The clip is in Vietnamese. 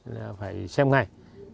là phải xem ngay